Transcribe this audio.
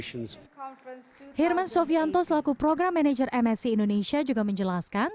pemerintah indonesia herman sofianto selaku program manajer msc indonesia juga menjelaskan